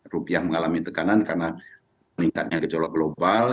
rupiah mengalami tekanan karena meningkatnya gejolak global